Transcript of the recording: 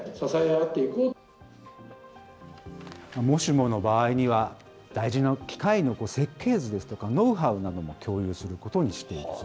もしもの場合には、大事な機械の設計図ですとかノウハウなども共有することにしてい